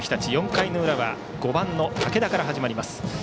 ４回の裏は５番、武田から始まります。